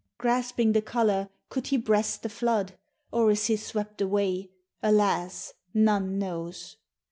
Grasping the COLOUR, could he breast the flood? Or is he swept away? Alas! none knows.